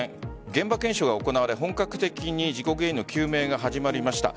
現場検証が行われ本格的に事故原因の究明が始まりました。